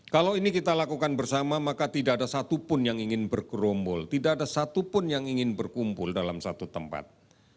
kalau ini kita lakukan bersama maka tidak ada satupun yang ingin bergerombol tidak ada satupun yang ingin berkumpul dalam satu tempat